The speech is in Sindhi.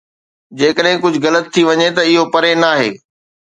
جيڪڏهن ڪجهه غلط ٿي وڃي ته اهو پري ناهي